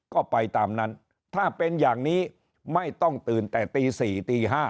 ก็ไปตามนั้นถ้าเป็นอย่างนี้ไม่ต้องตื่นแต่ตี๔ตี๕